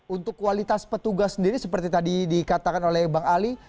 untuk kualitas petugas sendiri seperti tadi dikatakan oleh bang ali